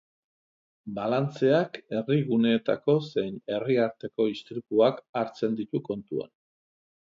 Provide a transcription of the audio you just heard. Balantzeak herriguneetako zein herri arteko istripuak hartzen ditu kontuan.